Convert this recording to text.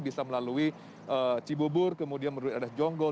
bisa melalui cibubur kemudian menuju ke jonggol